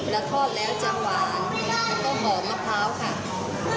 แล้วทอดแล้วจะหวานแล้วก็หอมมะพร้าวค่ะ